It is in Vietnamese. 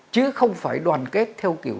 chứ không phải đoàn kết theo kiểu